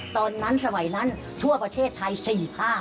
ตอนนั้นสมัยนั้นทั่วประเทศไทย๔๕